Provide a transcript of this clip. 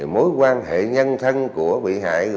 mối quan hệ nhân thân của bị hại